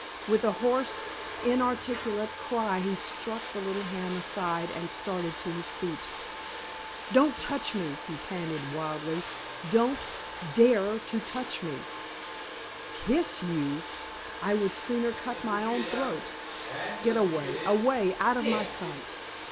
With a hoarse, inarticulate cry he struck the little hand aside and started to his feet. "Don't touch me!" he panted, wildly; "don't dare to touch me! Kiss you? I would sooner cut my own throat. Get away away out of my sight!